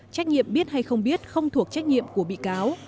trách nhiệm biết hay không biết không thuộc trách nhiệm của bị cáo